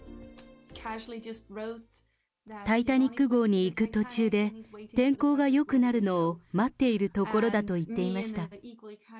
タイタニック号に行く途中で、天候がよくなるのを待っているところだと言っていました。